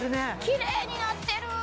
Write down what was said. きれいになってる！